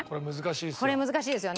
これ難しいですよ。